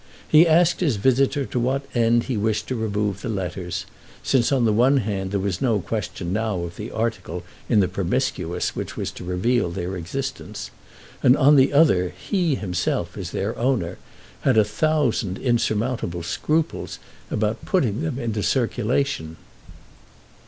He asked his visitor to what end he wished to remove the letters, since on the one hand there was no question now of the article in the Promiscuous which was to reveal their existence, and on the other he himself, as their owner, had a thousand insurmountable scruples about putting them into circulation.